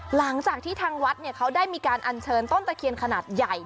หลังจากที่ทางวัดเขาได้มีการอัญเชิญต้นตะเคียนขนาดใหญ่